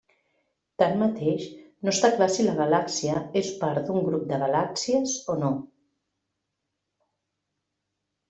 Tanmateix, no està clar si la galàxia és part d'un grup de galàxies o no.